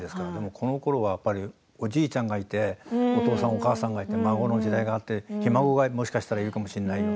このころはおじいちゃんがいて、お父さんお母さんがいて孫やひ孫がもしかしたらいるかもしれない。